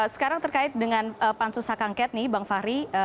sekarang terkait dengan pansu sakangket nih bang fahri